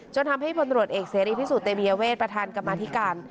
จนทำให้ปนรวจเอกเศรษฐ์อิพิสุทธิ์เตมเยเวสประธานกรรมฐิการ